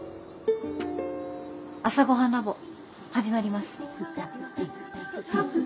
「朝ごはんＬａｂ．」始まります。